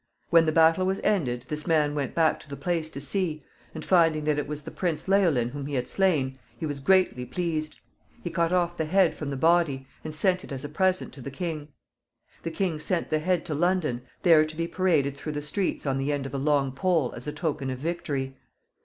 When the battle was ended this man went back to the place to see, and, finding that it was the Prince Leolin whom he had slain, he was greatly pleased. He cut off the head from the body, and sent it as a present to the king. The king sent the head to London, there to be paraded through the streets on the end of a long pole as a token of victory.